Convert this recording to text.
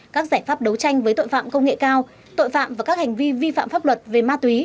các giải pháp đấu tranh với tội phạm công nghệ cao tội phạm và các hành vi vi phạm pháp luật về ma túy